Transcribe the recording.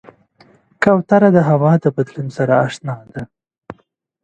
کوتره د هوا د بدلون سره اشنا ده.